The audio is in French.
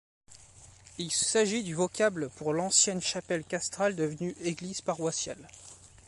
Il s'agit du vocable pour l'ancienne chapelle castrale devenue église paroissiale.